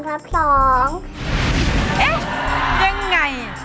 เอ๊ะยังไง